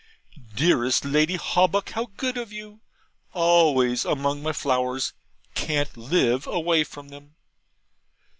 'Dearest Lady Hawbuck, how good of you! Always among my flowers! can't live away from them!'